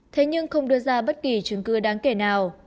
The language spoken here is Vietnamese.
thế nhưng không đưa ra bất kỳ chứng cứ đáng kể nào